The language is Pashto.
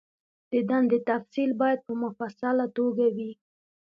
د دندې تفصیل باید په مفصله توګه وي.